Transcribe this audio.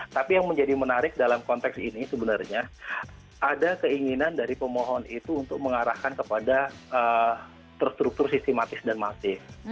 tapi yang menjadi menarik dalam konteks ini sebenarnya ada keinginan dari pemohon itu untuk mengarahkan kepada terstruktur sistematis dan masif